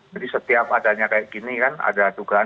jadi setiap adanya kayak gini kan ada dugaan